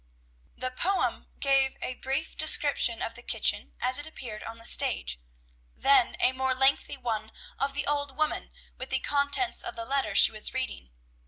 The poem gave a brief description of the kitchen as it appeared on the stage, then a more lengthy one of the old woman, with the contents of the letter she was reading.